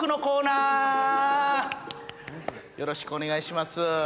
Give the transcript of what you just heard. よろしくお願いします。